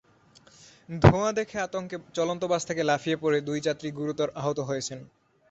ধোঁয়া দেখে আতঙ্কে চলন্ত বাস থেকে লাফিয়ে পড়ে দুই যাত্রী গুরুতর আহত হয়েছেন।